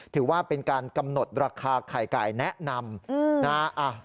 ถือว่าเป็นการกำหนดราคาไข่ไก่แนะนำนะฮะ